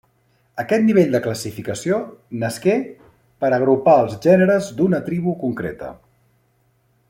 Aquest nivell de classificació nasqué per agrupar els gèneres d'una tribu concreta.